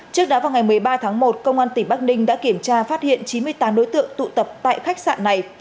trước đó vào ngày một mươi ba tháng một công an tỉnh bắc ninh đã kiểm tra phát hiện chín mươi tám đối tượng tụ tập tại khách sạn này